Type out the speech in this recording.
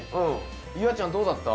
夕空ちゃんどうだった？